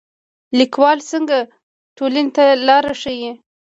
لیکوال څنګه ټولنې ته لار ښيي؟